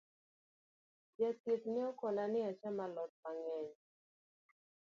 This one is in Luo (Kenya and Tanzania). Jathieth ne okona ni acham alot mang’eny